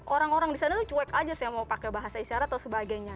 orang orang di sana tuh cuek aja saya mau pakai bahasa isyarat atau sebagainya